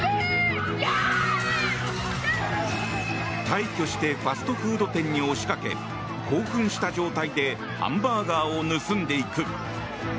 大挙してファストフード店に押しかけ興奮した状態でハンバーガーを盗んでいく。